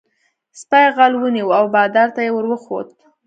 سپي غل ونیو او بادار ته یې ور وښود.